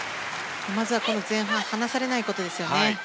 まずはこの前半離されないことですね。